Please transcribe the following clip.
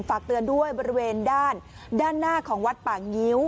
ฝากเตือนด้วยบริเวณด้านด้านหน้าของวัดป่างิ้ว